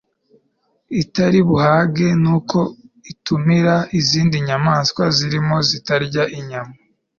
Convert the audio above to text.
itari buhage. nuko itumira izindi nyamaswa zirimo n'izitarya inyama